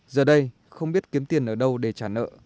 giờ đây không biết kiếm tiền ở đâu để trả nợ